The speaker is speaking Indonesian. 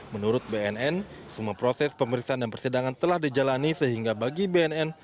menurut bnn semua proses pemeriksaan dan persidangan telah dijalani sehingga bagi bnn